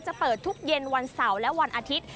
จะเปิดทุกเย็นวันเสาร์และวันอาทิตย์